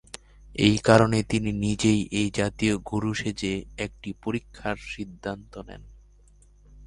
এই কারণে তিনি নিজেই এই জাতীয় গুরু সেজে একটি পরীক্ষা করার সিদ্ধান্ত নেন।